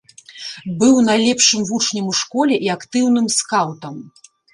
Быў найлепшым вучнем у школе і актыўным скаўтам.